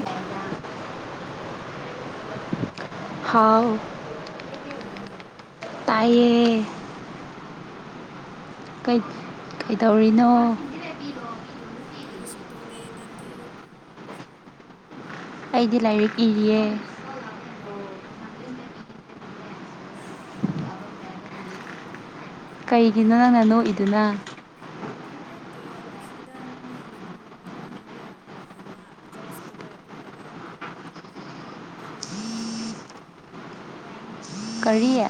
hello hello ꯍꯥꯎ bro ꯇꯌꯦ ꯀꯩꯗꯧꯔꯤꯅꯣ ꯀꯔꯤꯁꯨ ꯇꯧꯗꯦ ꯅꯪꯗꯤ ꯑꯩꯗꯤ ꯂꯥꯏꯔꯤꯛ ꯏꯔꯤꯌꯦ ꯑꯣ ꯀꯩꯒꯤꯅꯣ ꯅꯪꯅ ꯑꯣ ꯅꯣꯛꯏꯗꯨꯅ ꯅꯠꯇꯦ ꯑꯁꯤꯗ ꯑꯩ ꯏꯃꯥꯟꯅꯨꯕꯤꯅ ꯖꯣꯣꯛꯁ ꯇꯧꯋꯦ ꯑꯗꯨꯅꯦ ꯑꯩ ꯑꯗ ꯎꯦ ꯀꯔꯤꯌꯦ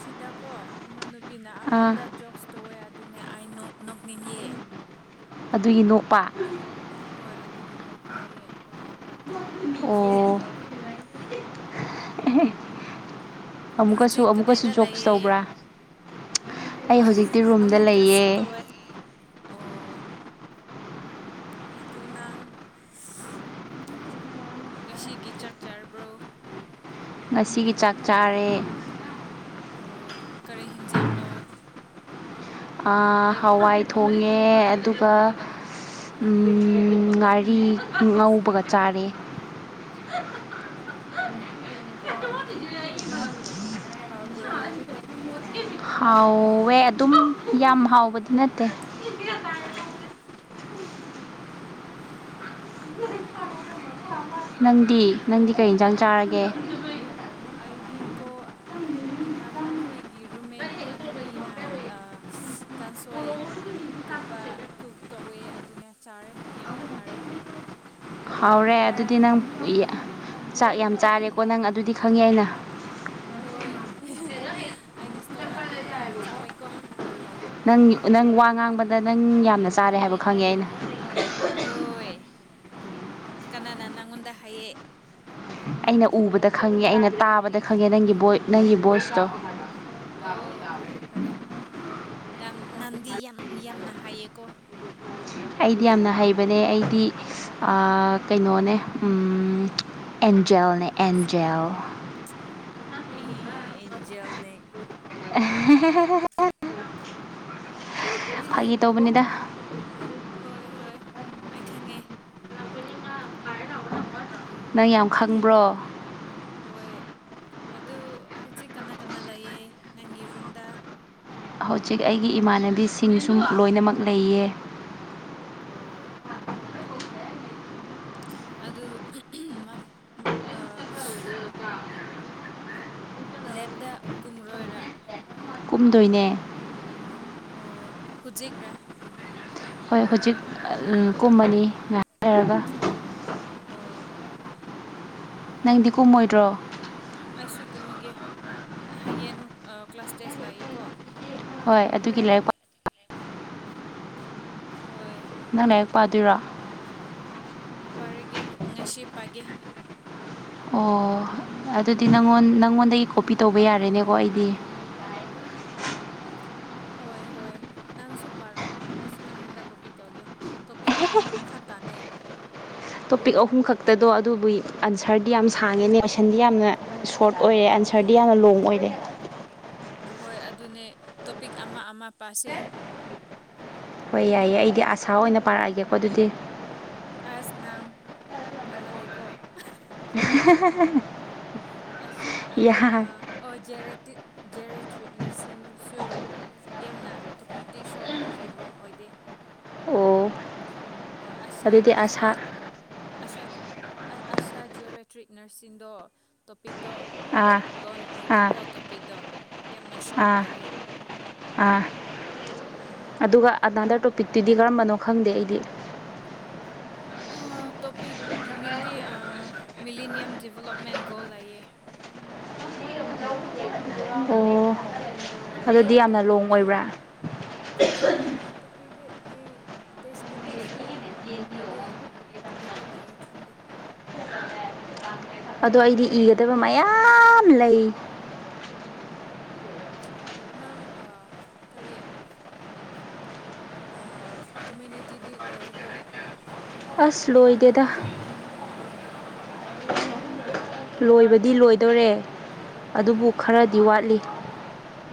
ꯁꯤꯗꯀꯣ ꯏꯃꯥꯟꯅꯨꯕꯤꯅ ꯑꯥ ꯑꯩꯉꯣꯟꯗ ꯖꯣꯛꯁ ꯇꯧꯋꯦꯗ ꯑꯗꯨꯅꯦ ꯑꯩ ꯅꯣꯛꯅꯤꯡꯉ ꯑꯗꯨꯒꯤ ꯅꯣꯄꯥ ꯍꯣꯏ ꯑꯗꯨꯒꯤ ꯅꯣꯛ ꯅꯣꯏꯌꯦ ꯍꯣꯏ ꯅꯣꯛꯄꯥꯏ ꯑꯣ ꯑꯃꯨꯛꯀꯁꯨ ꯍꯧꯖꯤꯛ ꯑꯃꯨꯛꯀꯁꯨ ꯖꯣꯛꯁ ꯇꯧꯕ꯭ꯔꯥ ꯑꯩ ꯍꯧꯖꯤꯛꯇꯤ ꯔꯨꯝꯗ ꯑꯃꯃꯨꯛ ꯀꯁꯨ ꯇ ꯂꯩꯌꯦ ꯑꯣꯏ ꯑꯣ ꯑꯗꯨ ꯅꯪ ꯉꯁꯤꯒꯤ ꯆꯥꯛ ꯆꯥꯔꯕ꯭ꯔꯣ ꯉꯁꯤꯒꯤ ꯆꯥꯛ ꯆꯥꯔꯦ ꯑꯣ ꯀꯔꯤ ꯍꯤꯟꯖꯥꯡꯅꯣ ꯍꯋꯥꯏ ꯊꯣꯡꯉꯦ ꯑꯗꯨꯒ ꯉꯥꯔꯤ ꯉꯧꯕꯒ ꯆꯥꯔꯦ [unintelligible] [unintelligible] ꯇꯕꯔꯣ ꯍꯥꯎꯋꯦ ꯑꯗꯨꯝ ꯌꯥꯝ ꯍꯥꯎꯕꯗꯤ ꯅꯠꯇꯦ ꯑꯣ ꯅꯪꯗꯤ ꯅꯪꯗꯤ ꯀꯩ ꯌꯦꯟꯁꯥꯡ ꯆꯥꯔꯒꯦ ꯑꯩꯗꯤ ꯀꯣ ꯏꯃꯥꯅ ꯑꯩꯈꯣꯏ ꯔꯨꯝꯃꯦꯠ ꯏꯃꯥꯟꯅꯨꯕꯤꯅ ꯀꯥꯡꯥꯟꯁꯣꯏ ꯒꯨꯝꯕ ꯀꯛ ꯇꯧꯋꯦ ꯑꯗꯨꯅꯦ ꯆꯥꯔꯦ ꯌꯥꯝꯅ ꯍꯥꯔꯦ ꯍꯥꯎꯔꯦ ꯑꯗꯨꯗꯤ ꯅꯪ ꯆꯥꯛ ꯌꯥꯝ ꯆꯥꯔꯦꯀꯣ ꯅꯪ ꯑꯗꯨꯗꯤ ꯈꯪꯉꯦ ꯑꯩꯅ ꯍꯣꯏ ꯑꯩꯒꯤ ꯏꯁꯇꯣꯃꯥꯗꯤ ꯌꯥꯝꯅ ꯆꯥꯎꯋꯦꯀꯣ ꯅꯪ ꯅꯪ ꯋꯥ ꯉꯥꯡꯕꯗ ꯅꯪ ꯌꯥꯝꯅ ꯆꯥꯔꯦ ꯍꯥꯏꯕ ꯈꯪꯉꯦ ꯑꯩꯅ ꯍꯣꯏ ꯀꯅꯥꯅ ꯅꯪꯉꯣꯟꯗ ꯍꯥꯏꯌꯦ ꯑꯩꯅ ꯎꯕꯗ ꯈꯪꯉꯦ ꯑꯩꯅ ꯇꯥꯕꯗ ꯈꯪꯉꯦ ꯅꯪꯒꯤ ꯅꯪꯒꯤ ꯚꯣꯏꯁꯇꯣ ꯑꯣ [inaudible] ꯐꯔꯦ ꯐꯔꯦ ꯅꯟꯗꯤ ꯌꯥꯝ ꯌꯥꯝꯅ ꯍꯥꯏꯌꯦꯀꯣ ꯑꯩꯗꯤ ꯌꯥꯝꯅ ꯍꯩꯕꯅꯦ ꯑꯩꯗꯤ ꯀꯩꯅꯣꯅꯦ ꯑꯦꯟꯖꯦꯜꯅꯦ ꯑꯦꯟꯖꯦꯜ ꯑꯩ ꯏꯟꯖꯦꯜꯅꯦ [unintelligible] ꯐꯥꯒꯤ ꯇꯧꯕꯅꯤꯗ ꯍꯣꯏ ꯍꯣꯏ ꯑꯩ ꯈꯪꯉꯦ ꯅꯪ ꯌꯥꯝ ꯈꯪꯕ꯭ꯔꯣ ꯍꯣꯏ ꯑꯗꯨ ꯍꯧꯖꯤꯛ ꯀꯅꯥ ꯀꯟꯅ ꯂꯩꯌꯦ ꯅꯪꯒꯤ ꯔꯨꯝꯗ ꯍꯧꯖꯤꯛ ꯑꯩꯒꯤ ꯏꯃꯥꯟꯅꯕꯤꯁꯤꯡꯁꯨ ꯂꯣꯏꯅꯃꯛ ꯂꯩꯌꯦ ꯑꯣ ꯑꯗꯨ ꯂꯦꯞꯗ ꯀꯨꯝꯔꯣꯏꯔ ꯀꯨꯝꯗꯣꯏꯅꯦ ꯑꯣ ꯍꯨꯗꯦꯛꯔꯥ ꯍꯣꯏ ꯍꯧꯖꯤꯛ ꯀꯨꯝꯃꯅꯤ ꯉꯥꯏꯅꯔꯒ ꯑꯣ ꯅꯪꯗꯤ ꯀꯨꯝꯃꯣꯏꯗ꯭ꯔꯣ ꯑꯩꯁꯨ ꯀꯨꯝꯃꯨꯒꯦ ꯍꯌꯦꯡ ꯀ꯭ꯂꯥꯁ ꯇꯦꯁ ꯂꯥꯛꯌꯨꯀꯣ ꯍꯣꯏ ꯑꯗꯨꯒꯤ ꯂꯥꯏꯔꯤꯛꯄ ꯍꯣꯏ ꯅꯪ ꯂꯥꯏꯔꯤꯛ ꯄꯥꯗꯣꯏꯔꯣ ꯄꯔꯒꯦ ꯉꯁꯤ ꯄꯥꯒꯦ ꯑꯣ ꯑꯗꯨꯗꯤ ꯅꯪꯉꯣꯟ ꯅꯪꯉꯣꯟꯗꯒꯤ ꯀꯣꯄꯤ ꯇꯧꯕ ꯌꯥꯔꯦꯅꯦꯀꯣ ꯑꯩꯗꯤ [inaudible] ꯍꯣꯏ ꯍꯣꯏ ꯅꯪꯁꯨ ꯄꯥꯔꯣ ꯑꯩꯁꯨ ꯅꯪꯉꯣꯟꯗ ꯀꯣꯄꯤ ꯇꯧꯑꯒꯦ ꯇꯣꯄꯤꯛ ꯑꯍꯨꯝ ꯈꯛꯇ ꯆꯅꯦ ꯇꯣꯄꯤꯛ ꯑꯍꯨꯝ ꯈꯛꯇꯗꯣ ꯑꯗꯨꯕꯨꯒꯤ ꯑꯟꯁꯔꯗꯤ ꯌꯥꯝ ꯁꯥꯡꯉꯦꯅꯦ ꯀꯣꯏꯁꯟꯗꯤ ꯌꯥꯝꯅ ꯁꯣꯔꯠ ꯑꯣꯏꯔꯦ ꯑꯟꯁꯔ ꯁꯔꯗꯤ ꯌꯥꯝꯅ ꯂꯣꯡ ꯑꯣꯏꯔꯦ ꯍꯣꯏ ꯑꯗꯨꯅꯦ ꯇꯣꯄꯤꯛ ꯑꯃ ꯑꯃ ꯄꯥꯁꯦ ꯍꯣꯏ ꯌꯥꯏꯌꯦ ꯑꯩꯗꯤ ꯑꯁꯥ ꯑꯣꯏꯅ ꯄꯥꯔꯛꯑꯒꯦꯀꯣ ꯑꯗꯨꯗꯤ ꯑꯁꯅꯥꯝ ꯍꯦꯃꯥꯂꯦꯀꯣ [inaudible] ꯑꯁꯥ ꯑꯗꯨ ꯌꯥꯏ ꯖꯦꯔꯦꯇ꯭ꯔꯤꯠꯅꯁꯤꯡꯁꯨ ꯌꯥꯝꯅ ꯇꯣꯄꯤꯛꯇꯛꯇꯤ ꯁꯣꯔꯠ ꯑꯣꯏꯔꯦ ꯂꯣꯟ ꯑꯣꯏꯗꯦ ꯑꯣ ꯍ ꯑꯥ ꯑꯗꯨꯗꯤ ꯑꯥ ꯍ ꯑꯁꯥ ꯑꯁ ꯑꯁꯥ ꯖꯤꯌꯣꯃꯦꯦꯇ꯭ꯔꯤꯛ ꯅꯔꯁꯤꯡꯗꯣ ꯇꯣꯄꯤꯛ ꯇꯣ ꯑꯥ ꯂꯣꯟ ꯑꯥ ꯑꯣꯏꯗꯦꯀꯣ ꯇꯣꯄꯤꯛꯇꯣ ꯌꯥꯝꯅ ꯁꯣꯔꯠ ꯑꯣꯏꯔꯦ ꯑ ꯑꯗꯨꯒ ꯑꯗ ꯇꯣꯄꯤꯛꯇꯨꯗꯤ ꯀꯔꯝꯕꯅꯣ ꯈꯪꯗꯦ ꯑꯩꯗꯤ ꯑꯣ ꯇꯣꯄꯤꯛ ꯒꯤꯃꯤꯟꯗꯤ ꯃꯤꯂꯤꯅꯤꯌꯝ ꯗꯗꯤꯕꯂꯞꯃꯦꯟꯒꯣ ꯂꯌꯦ ꯑꯣ ꯑꯗꯨ ꯑꯗꯨꯗꯤ ꯌꯥꯝꯅ ꯂꯣꯡ ꯇꯣꯞꯗꯤ ꯑꯣꯏꯕ꯭ꯔꯥ ꯈꯗꯦꯗ ꯐ ꯑꯩ ꯇꯁ ꯕꯙꯁꯨꯣ ꯎꯗ ꯀꯗꯥꯏꯗ ꯂꯩꯌꯦ ꯈꯟꯗꯦ ꯑꯗꯣ ꯑꯩꯗꯤ ꯏꯒꯗꯕ ꯃꯌꯥꯝ ꯂꯩ ꯅꯝ ꯀꯔꯤ ꯀꯃꯨꯅꯤꯇꯤꯗꯤ ꯂꯣꯏꯔꯕꯎ ꯑꯁ ꯂꯣꯏꯗꯦꯗ ꯂꯣꯏꯕꯗꯤ ꯂꯣꯏꯗꯣꯔꯦ ꯑꯗꯨꯕꯨ ꯑꯣ ꯈꯔꯗꯤ ꯋꯥꯠꯂꯤ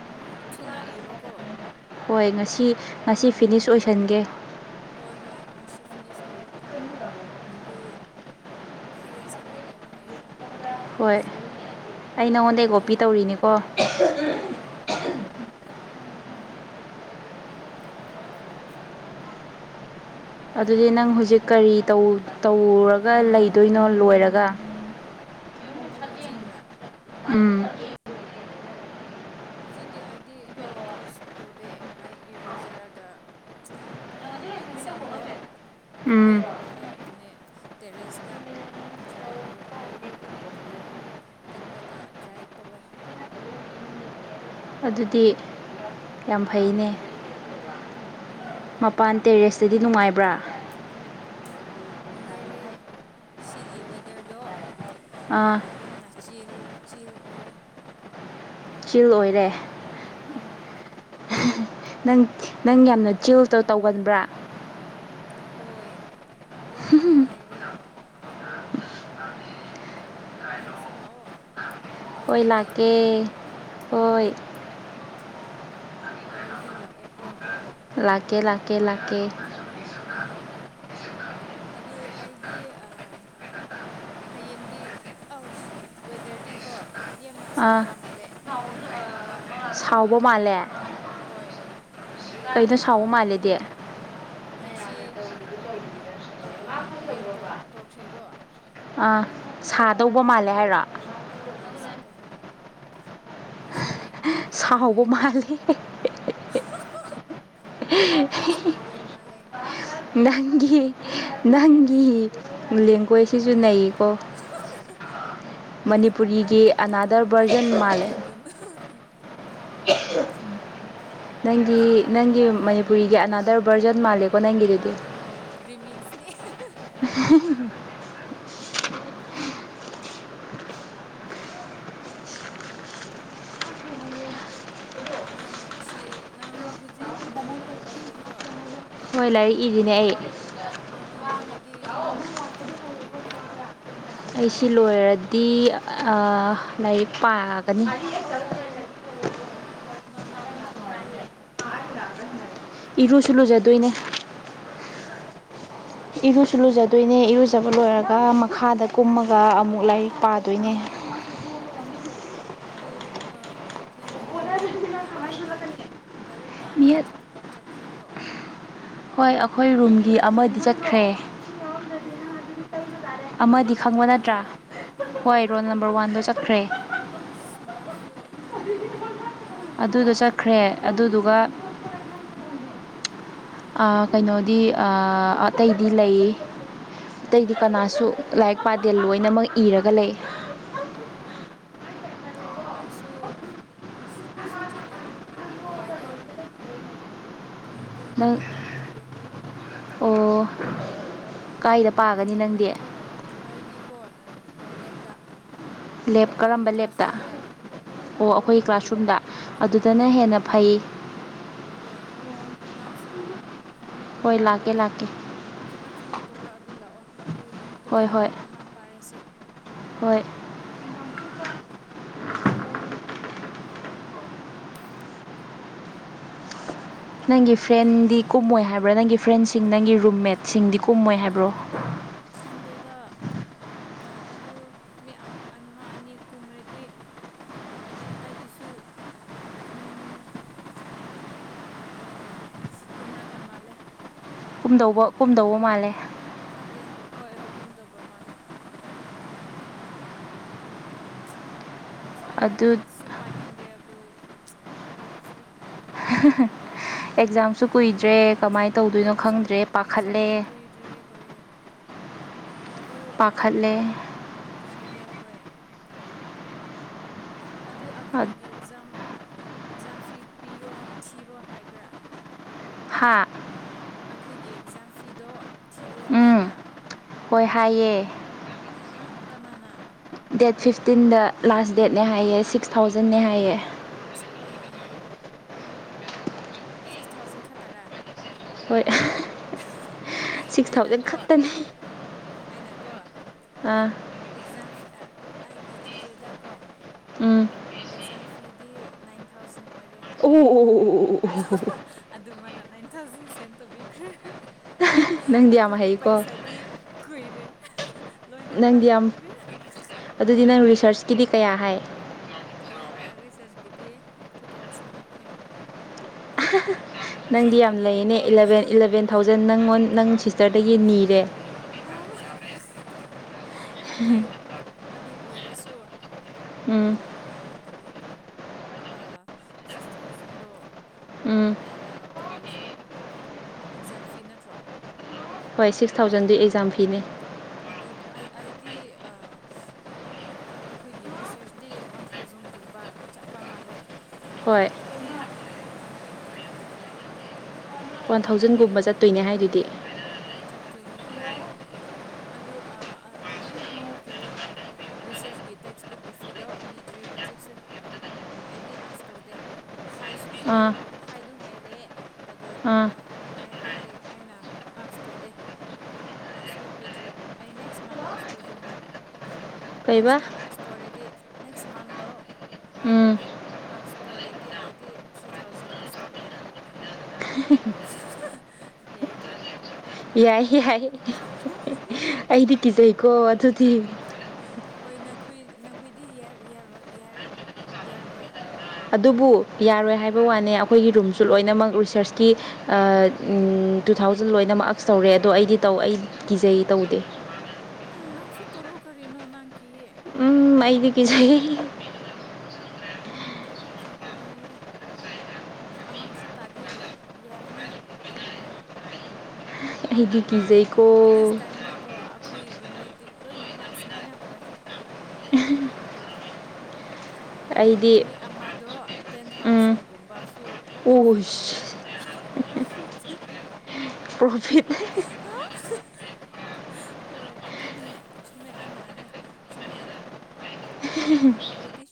ꯑꯣ ꯊꯨꯅ ꯏꯔꯣꯀꯣ ꯍꯣꯏ ꯉꯁꯤ ꯉꯁꯤ ꯐꯤꯅꯤꯁ ꯑꯣꯏꯁꯟꯒꯦ ꯍꯣꯏ ꯍꯣꯏ ꯉꯁꯤ ꯐꯤꯅꯤꯁ ꯇꯧꯔꯣ ꯑꯗꯨ ꯍꯌꯦꯡ ꯁꯝꯃꯤꯠ ꯇꯧꯔ ꯍꯥꯏꯌꯦꯀꯣ ꯍꯣꯏ ꯑꯩ ꯅꯉꯣꯟꯗ ꯀꯣꯄꯤ ꯇꯣꯔ ꯇꯧꯔꯤꯅꯤꯀꯣ ꯍꯣꯏ ꯍꯣꯏ ꯇꯧꯔꯣ ꯑꯗꯨꯗꯤ ꯅꯪ ꯍꯧꯖꯤꯛ ꯀꯔꯤ ꯇꯧꯔꯒ ꯂꯩꯗꯣꯏꯅꯣ ꯂꯣꯏꯔꯒ ꯍꯨꯖꯤꯒ꯭ꯔꯥ ꯎꯝ ꯍꯧꯖꯤꯛꯇꯤ ꯑꯩꯗꯤ ꯀꯔꯤꯁꯨ ꯇꯧꯗꯦ ꯑꯩ ꯏꯔꯨꯖꯔꯒ ꯑꯩꯒꯤ ꯁꯝꯗꯣ ꯎꯝ ꯋꯦꯠ ꯑꯣꯏꯔꯦ ꯑꯗꯨꯅꯦ ꯇꯦꯔꯦꯁꯇ ꯗ꯭ꯔꯥꯏ ꯑꯣꯏ ꯂꯦꯞꯄꯦꯛꯀ ꯗ꯭ꯔꯥꯏ ꯇꯧꯋꯦ ꯑꯗꯨꯗꯤ ꯌꯥꯝ ꯐꯩꯅꯦ ꯃꯄꯥꯟ ꯇꯦꯔꯦꯁꯇꯗꯤ ꯅꯨꯡꯉꯥꯏꯕ꯭ꯔꯥ ꯅꯨꯡꯉꯥꯏꯔꯦ ꯁꯤꯒꯤ ꯋꯦꯗꯔꯗꯣ ꯑꯥ ꯌꯨꯝꯅꯆꯦꯜ ꯆꯦꯜ ꯑꯣꯏꯔꯦ ꯆꯤꯜ ꯑꯣꯏꯔꯦ ꯅꯪ ꯅꯪ ꯌꯥꯝꯅ ꯆꯦꯜꯇ ꯇꯧꯒꯟꯕ꯭ꯔꯥ ꯍꯣꯏ ꯌꯥꯝꯅ ꯅꯨꯡꯉꯥꯏꯔꯦ ꯅꯪꯁꯨ ꯂꯥꯛꯑꯣ ꯍꯣꯏ ꯂꯣꯏꯔꯗꯤ ꯂꯥꯛꯀꯦ ꯍꯣꯏ ꯂꯣꯏꯗꯤꯜ ꯂꯛꯑꯣ ꯀꯣ ꯂꯥꯛꯒꯦ ꯂꯥꯛꯀꯦ ꯂꯀꯦ ꯍꯣꯏ ꯑꯗꯨ ꯑꯩꯗꯤ ꯍꯌꯦꯡꯗꯤ ꯑꯧ ꯋꯦꯗꯔꯗꯤꯀꯣ ꯌꯥꯝꯅ ꯑꯥ ꯁꯥꯎꯕ ꯃꯥꯜꯂꯦ ꯁꯥꯎꯕ ꯃꯥꯜꯂꯦ ꯍꯣꯏ ꯑꯗꯨ ꯀꯩꯅꯣ ꯁꯥꯎꯕ ꯃꯥꯜꯂꯦꯗꯤ ꯉꯁꯤ ꯔꯦꯟ ꯇꯧꯈ꯭ꯔꯦꯀꯣ ꯑꯥ ꯁꯥꯗꯧꯕ ꯃꯥꯜꯂꯦ ꯍꯥꯏꯔꯣ ꯍ ꯍ ꯉ ꯁꯥꯎꯣꯒ ꯃꯥꯜꯂꯤ [unintelligible] ꯁꯥꯏꯌꯦ ꯃꯥꯜꯂꯦ ꯅꯪꯒꯤ ꯅꯪꯒꯤ ꯂꯦꯡꯒ꯭ꯋꯦꯖꯁꯤꯁꯨ ꯅꯩꯌꯦꯀꯣ ꯃꯅꯤꯄꯨꯔꯤꯒꯤ ꯑꯅꯥꯗꯔ ꯚꯔꯖꯟ ꯍꯥꯏꯥꯏꯒꯨꯅꯨ ꯃꯥꯜꯂꯦ ꯍꯥꯏꯩꯒꯨꯅꯨ ꯅꯪꯒꯤ ꯅꯪꯒꯤ ꯃꯅꯤꯄꯨꯔꯤꯒꯤ ꯑꯅꯥꯗꯔ ꯕꯔꯖꯟ ꯃꯥꯜꯂꯦꯀꯣ ꯅꯪꯒꯤꯗꯤ ꯍꯣꯏ ꯔꯔꯤꯃꯤꯅꯦ [unintelligible] ꯅꯪ ꯁꯤ ꯅꯪ ꯍꯧꯖꯤꯛ ꯂꯥꯏꯔꯤꯛ ꯏꯔꯦꯀꯣ ꯍꯣꯏ ꯂꯥꯏꯔꯤꯛ ꯏꯗꯤꯅꯦ ꯑꯩ ꯑꯗꯨ ꯂꯣꯏꯔꯗꯤ ꯀꯔꯤ ꯇꯧꯒꯦꯅ ꯑꯩꯁꯤ ꯂꯣꯏꯔꯗꯤ ꯂꯥꯏꯔꯤꯛ ꯄꯥꯒꯅꯤ ꯑꯣ ꯅꯝ ꯏꯔꯣ ꯏꯔꯨꯁꯨ ꯂꯨꯖꯗꯣꯏꯅꯦ ꯑꯣ ꯏꯔꯨꯁꯨ ꯂꯨꯖꯗꯣꯏꯅꯦ ꯏꯔꯨꯖꯕ ꯂꯣꯏꯔꯒ ꯃꯈꯥꯗ ꯀꯨꯝꯃꯒ ꯑꯃꯨꯛ ꯂꯥꯏꯔꯤꯛ ꯄꯥꯗꯣꯏꯅꯦ ꯍ ꯍꯣꯏ ꯑꯗꯨ ꯅꯪꯒꯤ ꯔꯨꯝ ꯃ ꯃꯤ ꯑꯇꯥꯏꯗꯤ ꯗꯥꯏꯔꯦ ꯄꯥꯕꯥ ꯃꯤꯠ ꯆꯠꯈ꯭ꯔꯔꯤꯕ꯭ꯔꯣ ꯍꯣꯏ ꯑꯩꯈꯣꯏ ꯔꯨꯝꯒꯤ ꯑꯃꯗꯤ ꯆꯠꯈ꯭ꯔꯦ ꯑꯣ ꯑꯃꯗꯤ ꯄ꯭ꯔꯣꯕ꯭ꯂꯦꯝ ꯅꯝꯕꯔ ꯈꯪꯕ ꯅꯠꯇ꯭ꯔꯥ ꯋꯥꯟꯗꯣ ꯍꯣꯏ ꯔꯣꯜ ꯅꯝꯕꯔ ꯋꯥꯟꯗꯣ ꯆꯠꯈ꯭ꯔꯦ ꯑꯁ ꯃꯥꯁꯨ ꯍꯦꯃꯟꯈ꯭ꯔꯦꯀꯣ ꯑꯗꯨꯗ ꯆꯠꯈ꯭ꯔꯦ ꯑꯗꯨꯗꯨꯒ ꯀꯩꯅꯣꯗꯤ ꯑꯇꯩꯗꯤ ꯂꯩ ꯑꯣ ꯑꯇꯩꯗꯤ ꯀꯅꯥꯁꯨ ꯂꯥꯏꯔꯤꯛ ꯄꯥꯗꯦꯜ ꯂꯣꯏꯅꯃꯛ ꯏꯔꯒ ꯂꯩ ꯑꯣ ꯑꯩꯁꯨ ꯑ ꯑꯩꯁꯨ ꯆꯅꯤ ꯄꯥꯏꯒꯦ ꯀꯨꯝꯨꯝ ꯅꯪ ꯀꯨꯃꯔꯥꯒꯂꯔ ꯄꯥꯏꯒꯦ ꯑꯣ ꯀꯥꯏꯗ ꯄꯥꯒꯅꯤ ꯅꯪꯗꯤ ꯂꯦꯞꯗꯥꯛ ꯂꯦꯞ ꯀꯔꯝꯕ ꯂꯦꯞꯇ ꯑꯣ ꯑꯩꯈꯣꯏꯒꯤ ꯀ꯭ꯂꯥꯁꯔꯨꯝꯗ ꯑꯗꯨꯗꯅ ꯍꯣꯏ ꯍꯦꯟꯅ ꯐꯩ ꯍꯣꯏ ꯅꯪꯁꯨ ꯂꯥꯛꯑꯣ ꯍꯣꯏ ꯂꯥꯛꯀꯦ ꯂꯥꯛꯀꯦ ꯊꯨꯅ ꯊꯨꯅ ꯇꯧꯔꯒ ꯑꯗꯨ ꯂꯥꯛꯑꯣ ꯑꯗꯨ ꯍꯣꯏ ꯇꯣꯄꯤꯛ ꯍꯣꯏ ꯑꯃ ꯑꯃ ꯄꯥꯔꯁꯦ ꯍꯣꯏ ꯎꯝ ꯅꯪꯒꯤ ꯐ꯭ꯔꯦꯟꯗꯤ ꯀꯨꯝꯃꯣꯏ ꯍꯥꯏꯕ꯭ꯔꯥ ꯅꯪꯒꯤ ꯐ꯭ꯔꯦꯟꯁꯤꯡ ꯅꯪꯒꯤ ꯔꯨꯝꯃꯦꯠꯁꯤꯡꯗꯤ ꯀꯨꯝꯃꯣꯏ ꯍꯥꯏꯕ꯭ꯔꯣ ꯈꯟꯗꯦꯗ ꯑꯗꯨ ꯃꯤ ꯑꯃꯥ ꯑꯅꯤ ꯀꯨꯝꯔꯗꯤ ꯃꯦꯇꯥ ꯤꯁꯨ ꯀ ꯀꯨꯝꯨꯝꯔꯥꯒ ꯃꯥꯂꯦ ꯀꯨꯝꯗꯧꯕ ꯀꯨꯝꯗꯧꯕ ꯃꯥꯜꯂꯦ ꯅꯇ ꯍꯣꯏ ꯍꯨꯀꯨꯨꯝꯗꯕꯃꯂꯦ ꯑꯁ ꯑꯩ ꯑꯗꯨ ꯂꯩꯔꯤꯁꯨ ꯄꯥꯏꯅꯤꯡꯗꯦ ꯑꯗꯨ ꯎꯄꯥꯏ ꯂꯩꯇ꯭ꯔꯤ ꯑꯦꯛꯖꯥꯝꯁꯨ ꯀꯨꯏꯗ꯭ꯔꯦ ꯀꯃꯥꯏꯅ ꯍꯣꯏ ꯇꯧꯗꯣꯏꯅꯣ ꯑꯦꯛꯖꯥꯝ ꯈꯪꯗ꯭ꯔꯦ ꯄꯥꯈꯠꯂꯦ ꯑꯦꯛꯖꯥꯝꯗꯤ ꯀꯨꯏꯗ꯭ꯔꯦ ꯍꯣꯏ ꯑꯗꯨ ꯄꯈꯠꯂꯦ ꯈꯜꯦ ꯍ ꯑꯗꯨ ꯑꯩꯈꯣꯏꯒꯤ ꯑꯦꯛꯖꯥꯝ ꯑꯦꯛꯖꯥꯝ ꯐꯤ ꯄꯤꯌꯣ ꯊꯤꯔꯣ ꯍꯥꯏꯕ꯭ꯔꯥ ꯍꯥ ꯑꯩꯈꯣꯏꯒꯤ ꯑꯦꯛꯖꯥꯝ ꯐꯤꯗꯣ ꯊꯤꯔꯣ ꯍꯥꯏꯕ꯭ꯔꯥ ꯑꯣꯏꯍꯌꯦꯌꯦ ꯍꯥ ꯀꯅꯥꯅ ꯗꯦꯠ ꯐꯤꯐꯇꯤꯟꯗ ꯂꯥꯁ ꯗꯦꯠꯅꯦ ꯍꯥꯏꯌꯦ ꯁꯤꯛꯁ ꯊꯥꯎꯖꯟꯅꯦ ꯍꯥꯏꯌꯦ ꯑꯩ ꯁꯤꯛꯁ ꯊꯥꯎꯖꯟ ꯈꯠꯇꯔꯥ ꯍꯣꯏ ꯁꯤꯛꯁ ꯊꯥꯎꯖꯟ ꯑꯩꯅꯀꯣ ꯈꯛꯇꯅꯦ ꯑꯩꯅꯀꯣ ꯑꯦꯛꯖꯥꯝ ꯑꯩꯒꯤ ꯆꯤꯆꯦꯗꯀꯣ ꯎꯝ ꯑꯦꯛꯖꯥꯝ ꯐꯤꯗꯤ ꯅꯥꯏꯟ ꯊꯥꯎꯖꯟ ꯑꯣꯏꯔꯦ ꯍꯥꯏꯈ꯭ꯔꯦ ꯎ ꯎ ꯑꯗꯨꯃꯅ ꯅꯥꯏꯟ ꯊꯥꯎꯖꯟ ꯁꯦꯟ ꯇꯧꯕꯤꯈ꯭ꯔꯦ ꯅꯪꯗꯤ ꯌꯥꯝ ꯑꯗꯨ ꯍꯩꯀꯣ ꯄꯩꯁꯥꯗꯤ ꯀꯨꯏꯔꯦ ꯂꯣꯏꯅꯦꯃ ꯅꯪꯗꯤ ꯂꯣꯏꯅꯦ ꯁꯔꯆꯀꯤꯗꯤ ꯀꯌꯥ ꯍꯥꯏ ꯀ ꯔꯤꯁꯔꯁꯀꯤꯗꯤ ꯇꯨ ꯊꯥꯎꯖꯟ ꯍꯥꯏꯈ꯭ꯔꯦ ꯅꯪꯗꯤ ꯌꯥꯝ ꯌꯥꯏꯀꯣ ꯂꯩꯌꯦꯅꯦꯂꯚꯦꯟ ꯏꯂꯚꯦꯟ ꯊꯥꯎꯖꯟ ꯅꯪꯉꯣꯟ ꯅꯪ ꯁꯤꯁꯇꯔꯗꯒꯤ ꯅꯤꯔꯦ ꯑꯗꯨ ꯑꯗꯨ ꯑꯣꯏꯔꯁꯨ ꯎꯝ ꯀꯔꯤ ꯁꯤꯛꯁ ꯊꯥꯎꯖꯟꯗꯣ ꯎꯝ ꯀꯔꯤ ꯑꯦꯛꯖꯥꯝ ꯐꯤ ꯅꯠꯇ꯭ꯔꯣ ꯍꯣꯏ ꯁꯤꯛꯁ ꯊꯥꯎꯖꯟꯗꯨ ꯑꯦꯛꯖꯥꯝ ꯐꯤꯅꯦ ꯑꯗꯨ ꯑꯩ ꯑꯩꯗꯤ ꯑꯩꯈꯣꯏꯒꯤ ꯔꯤꯁꯔꯁꯗꯤꯤ ꯋꯥꯟ ꯊꯥꯎꯖꯟꯒꯨꯝꯕ ꯆꯠꯄ ꯃꯥꯜꯂꯦ ꯍꯣꯏ ꯋꯥꯟ ꯑꯗꯨ ꯊꯥꯎꯖꯟꯒꯨꯝꯕ ꯆꯠꯇꯣꯏꯅꯦ ꯍꯥꯏꯗꯨꯗꯤ ꯇꯣꯏꯅꯤ ꯍꯣꯏ ꯑꯗꯨ ꯑꯗꯨꯗꯤ ꯀꯔꯤ ꯔꯤꯁꯔꯁꯀꯤ ꯇꯦꯛꯁꯕꯨꯛꯀꯤ ꯐꯤꯗꯣ ꯄꯤꯗ꯭ꯔꯦ ꯍꯧꯖꯤꯛꯁꯨ ꯑꯩꯗꯤ ꯑꯁꯇꯣꯗꯦ ꯑꯥ ꯍꯥꯏꯗꯨ ꯍꯥꯏꯔꯦ ꯑꯗꯨ ꯑꯥ ꯑꯅꯥ ꯑꯁꯇꯣ ꯗꯦ ꯃꯥꯁꯨ ꯎ ꯄꯤꯗ꯭ꯔꯤ ꯑꯩ ꯅꯦꯛꯁ ꯃꯥꯟ ꯑꯁ ꯇꯧꯗꯣꯏꯅꯣ ꯅꯦꯛꯁ ꯀꯩꯕꯥ ꯃꯥꯟꯊ ꯑ ꯏꯁꯇꯣꯔꯤꯦꯗꯤ ꯅꯦꯛꯁ ꯃꯥꯟꯊ ꯗ ꯎꯝ ꯑꯛꯁꯇꯣꯔꯤꯦꯗꯤ ꯑꯩꯗꯤ ꯊ꯭ꯔꯤ ꯊꯥꯎꯖꯟ ꯑꯛꯁꯇꯣꯒꯤ ꯌꯦꯡꯀꯣ ꯌꯥꯏ ꯌꯥꯏ ꯑꯩꯗꯤ ꯀꯤꯖꯩꯀꯣ ꯑꯗꯨꯗꯤ ꯍꯣꯏ ꯅꯈꯣꯏ ꯅꯈꯣꯏꯗꯤꯣꯏ ꯌꯥꯔꯣꯏ ꯑꯗꯨꯕꯨ ꯌꯥꯔꯣꯏ ꯍꯥꯏꯕ ꯋꯥꯅꯦ ꯑꯩꯈꯣꯏꯒꯤ ꯔꯨꯝꯁꯨ ꯂꯣꯏꯅꯃꯛ ꯔꯤꯁꯔꯁꯀꯤ ꯇꯨ ꯊꯥꯎꯖꯟ ꯂꯣꯏꯅꯃꯛ ꯑꯁ ꯇꯧꯔꯦ ꯑꯗꯣ ꯑꯩꯗꯤ ꯇꯧ ꯑꯩ ꯀꯤꯖꯩ ꯇꯧꯗꯦ ꯎꯝ ꯅꯝ ꯁꯨꯇꯣꯔ ꯍꯣ ꯀꯔꯤꯅꯣ ꯅꯪ ꯀꯌꯦ ꯝ ꯑꯩꯗꯤꯗꯒꯤꯁꯤ ꯀꯦ ꯀꯦ ꯨꯅꯥꯦ ꯑꯃꯥ ꯇꯥꯗꯤ ꯌꯥꯔꯅꯤ ꯀꯤꯒꯨꯅꯨ ꯑꯩꯒꯤ ꯆꯖꯦꯣ ꯗꯤꯁ ꯇꯥꯏꯝꯗꯤꯀꯣ ꯑꯩꯈꯣꯏ ꯔꯨꯝꯃꯦꯗꯤ ꯂꯣꯏꯅꯃꯛ ꯁꯨꯃꯥꯏꯅ ꯇꯧꯋꯦ ꯑꯣ ꯃꯤ ꯑꯩꯗꯤ ꯃꯤ ꯑꯃꯗꯣ ꯇꯦꯟ ꯎꯝ ꯊꯥꯎꯖꯟꯒꯨꯝꯕ ꯁꯨ ꯄ꯭ꯔꯣꯐꯤꯠ ꯇꯧꯋꯏ ꯄ꯭ꯔꯣꯐꯤꯠꯁꯨ ꯄ꯭ꯔꯣꯐꯤꯠ ꯍꯣꯏ ꯑꯗꯨꯅꯦ ꯆꯨꯝꯃꯦ ꯑꯩꯅ ꯆꯨꯝꯃꯦ ꯑꯩꯅ ꯍꯥꯏꯔꯗꯤ [unintelligible]